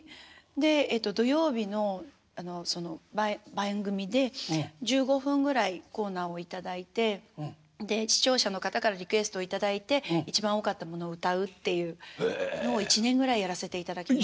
でえっと土曜日の番組で１５分ぐらいコーナーを頂いて視聴者の方からリクエストを頂いて一番多かったものを歌うっていうのを１年ぐらいやらせていただきました。